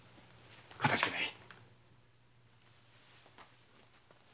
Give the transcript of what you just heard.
かたじけない。